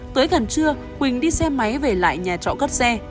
tới gần trưa quỳnh đi xe máy về lại nhà trọ cấp xe